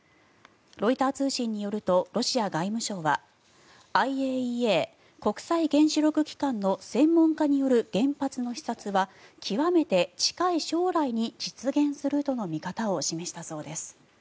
ロイター通信によるとロシア外務省はＩＡＥＡ・国際原子力機関の専門家による原発の視察は極めて近い将来に実現するとの見方を示したそうです。